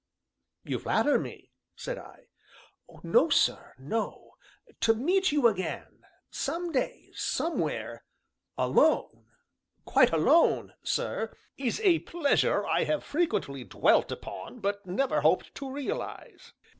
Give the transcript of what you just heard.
"You flatter me," said I. "No, sir, no; to meet you again some day somewhere alone quite alone, sir, is a pleasure I have frequently dwelt upon, but never hoped to realize.